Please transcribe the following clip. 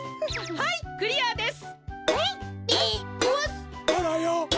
はいクリアです！